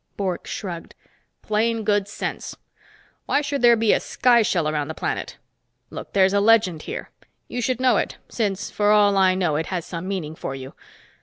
Bork shrugged. "Plain good sense. Why should there be a sky shell around the planet? Look, there's a legend here. You should know it, since for all I know it has some meaning for you.